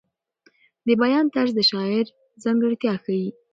د بیان طرز د شاعر ځانګړتیا ښیي.